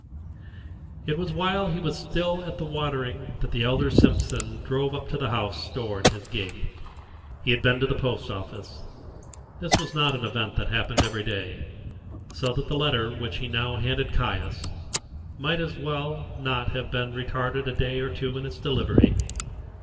It was while he was still at the watering that the elder Simpson drove up to the house door in his gig. He had been to the post office. This was not an event that happened every day, so that the letter which he now handed Caius might as well as not have been retarded a day or two in its delivery.